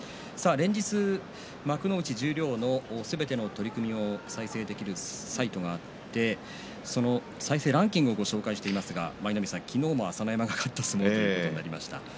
連日、幕内、十両のすべての取組を再生できるサイトがあってそのランキングをご紹介していますが舞の海さん、昨日も朝乃山の相撲ということになりました。